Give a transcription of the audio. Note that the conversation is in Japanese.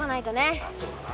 ああそうだな。